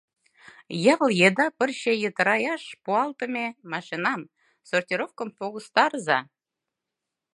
Ял еда пырче йытыраяш пуалтыме машинам, сортировкым погыстарыза.